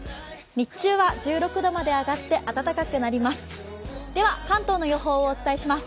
日中は１６度まで上がって、暖かくなります。